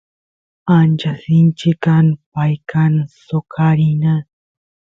ancha sinchi kan pay kan soqarina